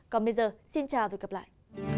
còn bây giờ xin chào và hẹn gặp lại